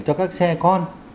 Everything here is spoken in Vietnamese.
cho các xe con